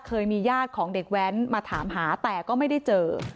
เคยมีญาติของเด็กแว้นมาถามหาแต่ก็ไม่ได้เจอ